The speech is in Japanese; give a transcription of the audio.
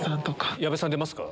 矢部さん出ますか？